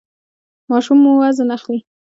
ماشوم مو وزن اخلي؟